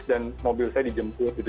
dan mobil saya dijemput gitu